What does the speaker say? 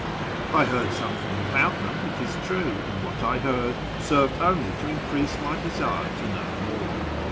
I heard something about them, it is true, and what I heard served only to increase my desire to know more.